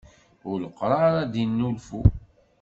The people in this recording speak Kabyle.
Uleqṛaṛ ad d-innulfu.